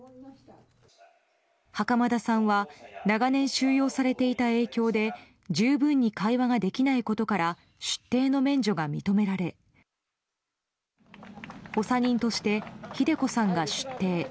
袴田さんは長年収容されていた影響で十分に会話ができないことから出廷の免除が認められ補佐人として、ひで子さんが出廷。